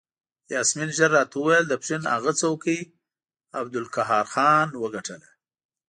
یاسمین ژر راته وویل د پښین هغه څوکۍ عبدالقهار خان وګټله.